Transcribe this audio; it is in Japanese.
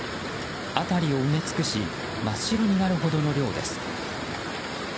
辺りを埋め尽くし真っ白になるほどの量です。